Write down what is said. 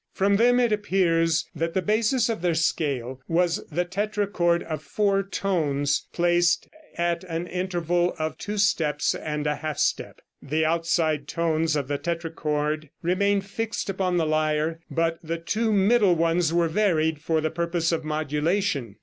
From them it appears that the basis of their scale was the tetrachord of four tones, placed at an interval of two steps and a half step. The outside tones of the tetrachord remained fixed upon the lyre, but the two middle ones were varied for the purpose of modulation.